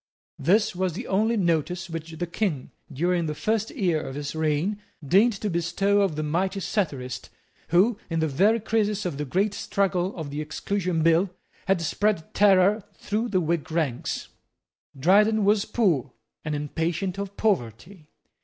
This was the only notice which the King, during the first year of his reign, deigned to bestow on the mighty satirist who, in the very crisis of the great struggle of the Exclusion Bill, had spread terror through the Whig ranks. Dryden was poor and impatient of poverty.